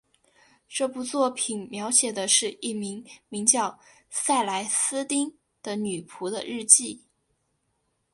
这部作品描写的是一名名叫塞莱丝汀的女仆的日记。